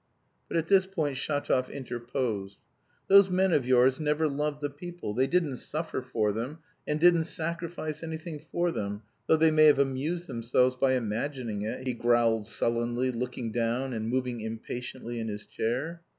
But at this point Shatov interposed. "Those men of yours never loved the people, they didn't suffer for them, and didn't sacrifice anything for them, though they may have amused themselves by imagining it!" he growled sullenly, looking down, and moving impatiently in his chair.